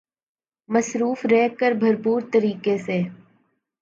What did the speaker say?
مصروف رہ کر بھرپور طریقے سے